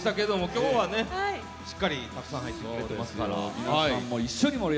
今日はね、しっかりたくさん入ってくれてます。